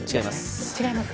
違います。